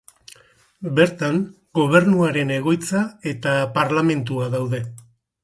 Bertan gobernuaren egoitza eta parlamentua daude.